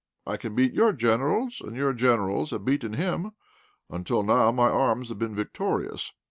I can beat your Generals, and your Generals have beaten him. Until now my arms have been victorious.